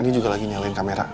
dia juga lagi nyalain kamera